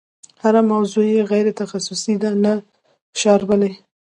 هره موضوع یې غیر تخصصي نه ده شاربلې.